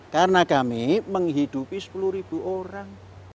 karena kami menghidupi sepuluh ribu orang